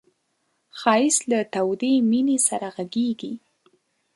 ښایست له تودې مینې سره غږېږي